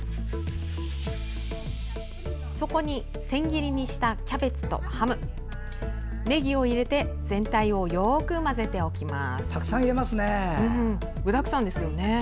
そこに千切りにしたキャベツとハム、ねぎを入れて全体をよく混ぜておきます。